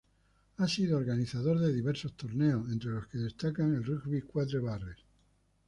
Ha sido organizador de diversos torneos, entre los que destacan el Rugby Quatre Barres.